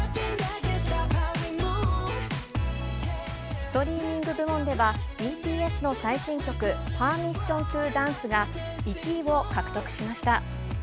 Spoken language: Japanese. ストリーミング部門では、ＢＴＳの最新曲、パーミッション・トゥー・ダンスが１位を獲得しました。